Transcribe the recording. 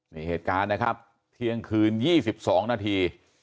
นี่เหตุการณ์นะครับเที่ยงคืน๒๒นาที